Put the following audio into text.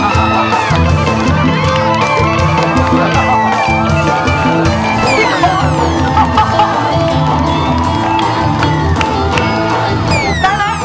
ถ้าพร้อมแล้วขอเชิญพบกับคุณลูกบาท